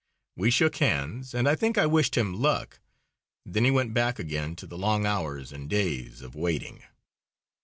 We shook hands and I think I wished him luck. Then he went back again to the long hours and days of waiting.